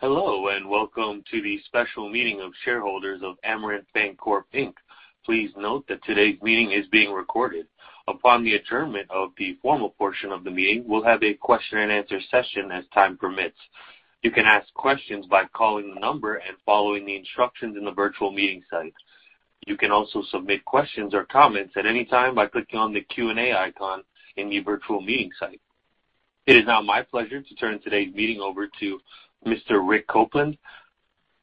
Hello, and welcome to the special meeting of shareholders of Amerant Bancorp Inc. Please note that today's meeting is being recorded. Upon the adjournment of the formal portion of the meeting, we'll have a question and answer session as time permits. You can ask questions by calling the number and following the instructions in the virtual meeting site. You can also submit questions or comments at any time by clicking on the Q&A icon in the virtual meeting site. It is now my pleasure to turn today's meeting over to Mr. Rick Copeland,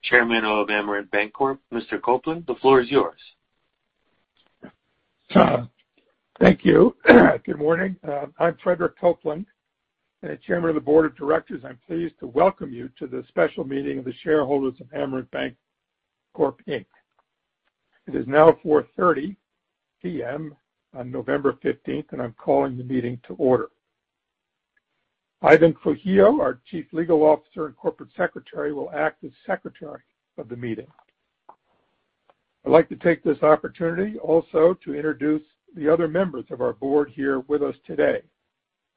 Chairman of Amerant Bancorp. Mr. Copeland, the floor is yours. Thank you. Good morning. I'm Frederick Copeland and the chairman of the board of directors. I'm pleased to welcome you to the special meeting of the shareholders of Amerant Bancorp Inc. It is now 4:30 P.M. on November fifteenth, and I'm calling the meeting to order. Ivan Trujillo, our Chief Legal Officer and Corporate Secretary, will act as secretary of the meeting. I'd like to take this opportunity also to introduce the other members of our board here with us today.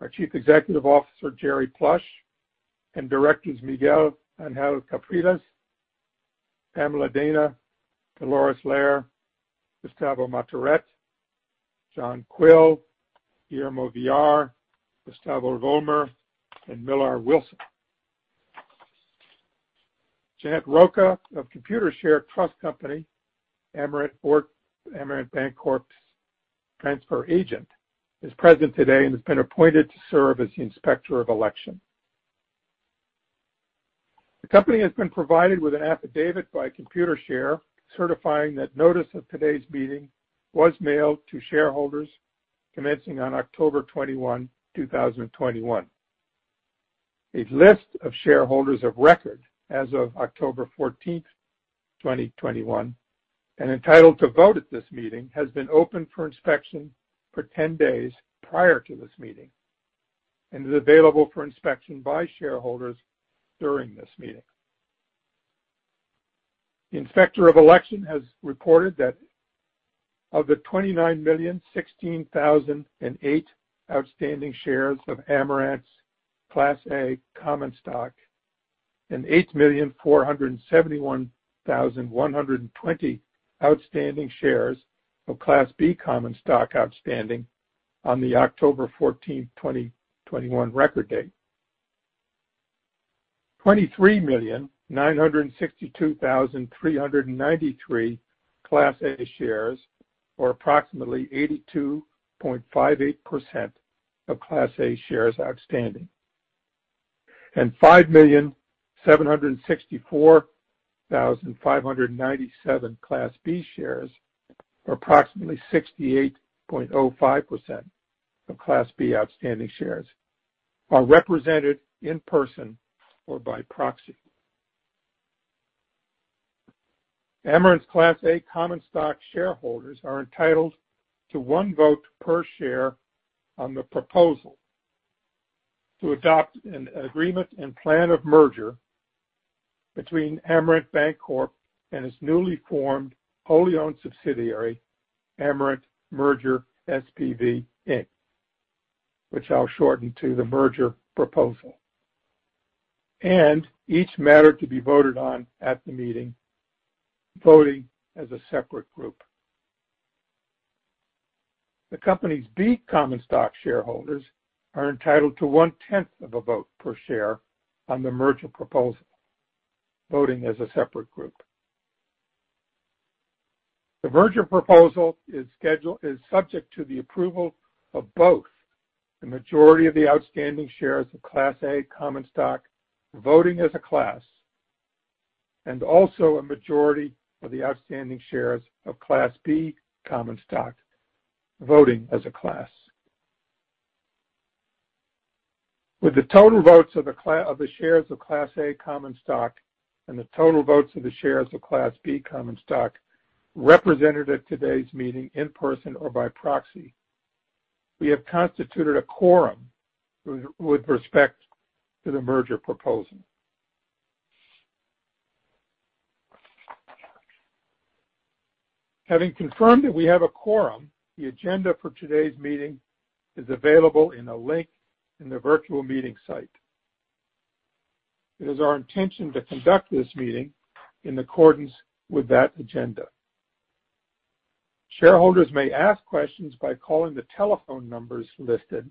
Our Chief Executive Officer, Gerry Plush, and directors Miguel Angel Capriles, Pamela Dana, Dolores Lare, Gustavo Marturet, John Quille, Guillermo Villar, Gustavo Vollmer, and Millar Wilson. Janet Rocha of Computershare Trust Company, Amerant or Amerant Bancorp's transfer agent, is present today and has been appointed to serve as the Inspector of Election. The company has been provided with an affidavit by Computershare certifying that notice of today's meeting was mailed to shareholders commencing on October 21, 2021. A list of shareholders of record as of October 14, 2021, and entitled to vote at this meeting, has been open for inspection for 10 days prior to this meeting and is available for inspection by shareholders during this meeting. The Inspector of Election has reported that of the 29,016,008 outstanding shares of Amerant's Class A common stock and 8,471,120 outstanding shares of Class B common stock outstanding on the October 14, 2021 record date, 23,962,393 Class A shares, or approximately 82.58% of Class A shares outstanding. 5,764,597 Class B shares, or approximately 68.05% of Class B outstanding shares, are represented in person or by proxy. Amerant's Class A common stock shareholders are entitled to one vote per share on the proposal to adopt an agreement and plan of merger between Amerant Bancorp and its newly formed wholly owned subsidiary, Amerant Merger SPV Inc., which I'll shorten to the merger proposal, and each matter to be voted on at the meeting, voting as a separate group. The company's Class B common stock shareholders are entitled to one-tenth of a vote per share on the merger proposal, voting as a separate group. The merger proposal is subject to the approval of both the majority of the outstanding shares of Class A common stock voting as a class, and also a majority of the outstanding shares of Class B common stock, voting as a class. With the total votes of the shares of Class A common stock and the total votes of the shares of Class B common stock represented at today's meeting in person or by proxy, we have constituted a quorum with respect to the merger proposal. Having confirmed that we have a quorum, the agenda for today's meeting is available in a link in the virtual meeting site. It is our intention to conduct this meeting in accordance with that agenda. Shareholders may ask questions by calling the telephone numbers listed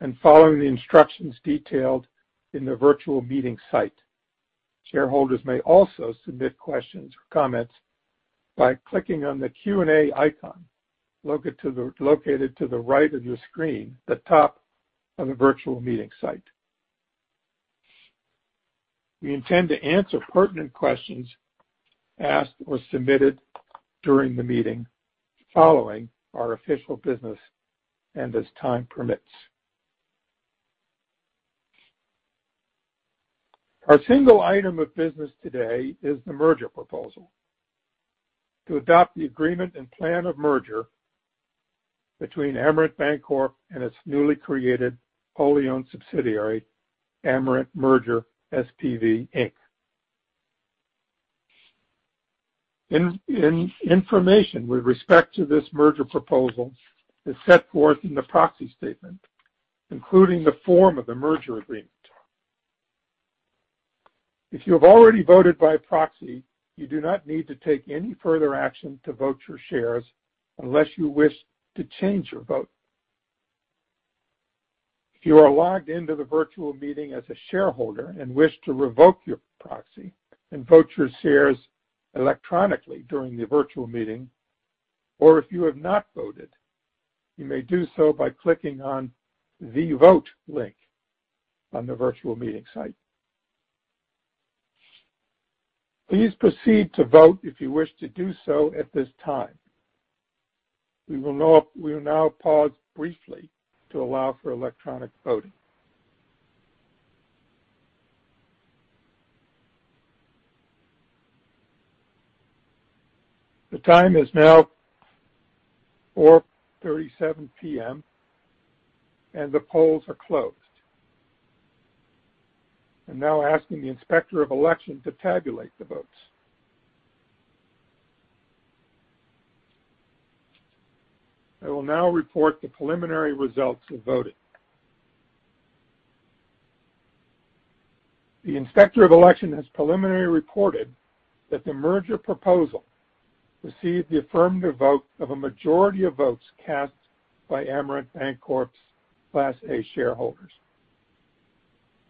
and following the instructions detailed in the virtual meeting site. Shareholders may also submit questions or comments by clicking on the Q&A icon located to the right of your screen, the top of the virtual meeting site. We intend to answer pertinent questions asked or submitted during the meeting following our official business and as time permits. Our single item of business today is the merger proposal. To adopt the agreement and plan of merger between Amerant Bancorp and its newly created wholly owned subsidiary, Amerant Merger SPV Inc. Information with respect to this merger proposal is set forth in the proxy statement, including the form of the merger agreement. If you have already voted by proxy, you do not need to take any further action to vote your shares unless you wish to change your vote. If you are logged into the virtual meeting as a shareholder and wish to revoke your proxy and vote your shares electronically during the virtual meeting, or if you have not voted, you may do so by clicking on the Vote link on the virtual meeting site. Please proceed to vote if you wish to do so at this time. We will now pause briefly to allow for electronic voting. The time is now 4:37 P.M. and the polls are closed. I'm now asking the Inspector of Election to tabulate the votes. I will now report the preliminary results of voting. The Inspector of Election has preliminarily reported that the merger proposal received the affirmative vote of a majority of votes cast by Amerant Bancorp's Class A shareholders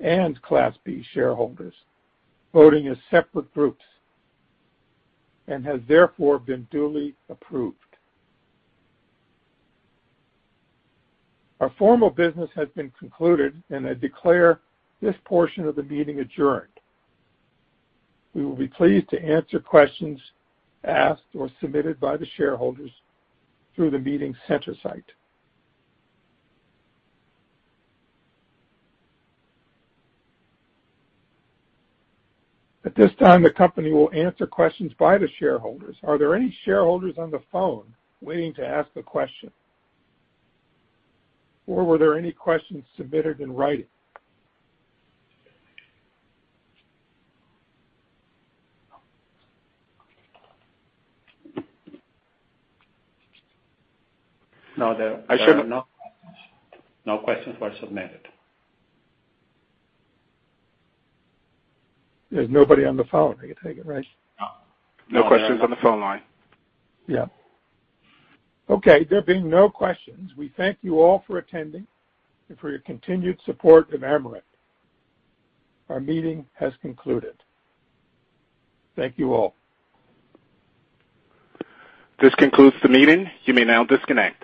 and Class B shareholders voting as separate groups, and has therefore been duly approved. Our formal business has been concluded, and I declare this portion of the meeting adjourned. We will be pleased to answer questions asked or submitted by the shareholders through the meeting center site. At this time, the company will answer questions by the shareholders. Are there any shareholders on the phone waiting to ask a question? Or were there any questions submitted in writing? No, I showed no questions. No questions were submitted. There's nobody on the phone, I take it, right? No. No questions on the phone line. Yeah. Okay. There being no questions, we thank you all for attending and for your continued support of Amerant. Our meeting has concluded. Thank you all. This concludes the meeting. You may now disconnect.